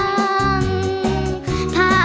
เพลงเก่งของคุณครับ